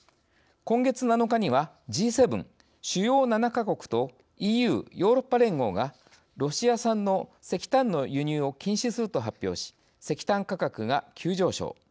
今月７日にはＧ７＝主要７か国とＥＵ＝ヨーロッパ連合がロシア産の石炭の輸入を禁止すると発表し石炭価格が急上昇。